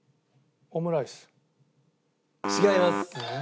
違います。